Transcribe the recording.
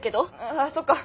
ああそっか。